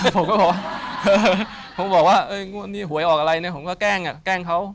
ผมก็บอกว่าหวยออกอะไรเนี่ยผมก็แกล้งเขา